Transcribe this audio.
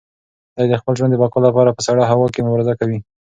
دی د خپل ژوند د بقا لپاره په سړه هوا کې مبارزه کوي.